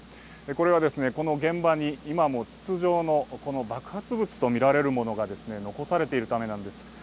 これはこの現場に今も筒状の爆発物とみられるものが残されているためなんです。